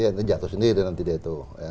nanti jatuh sendiri nanti dia itu